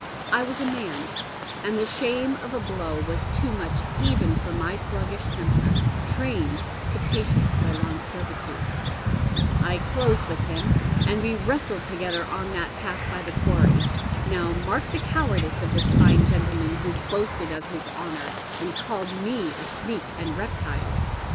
I was a man, and tlie shame of a blow was too much even for my sluggish temper, trained to patience by long servitude. I closed with him, and we wiestled together on that path by the quarry. Now mark the cowardice of tins fine gentleman, who boasted of his honour, and called me a sneak and reptile